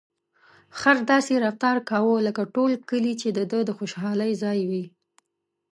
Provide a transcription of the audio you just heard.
خر داسې رفتار کاوه لکه ټول کلي چې د ده د خوشحالۍ ځای وي.